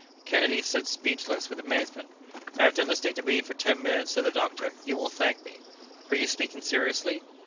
Kennedy stood speechless with amazement. "After listening to me for ten minutes," said the doctor, "you will thank me!" "Are you speaking seriously?"